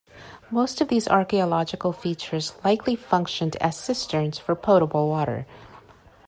Most of these archaeological features likely functioned as cisterns for potable water.